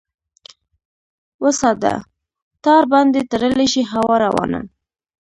وساده ! تار باندې تړلی شي هوا روانه ؟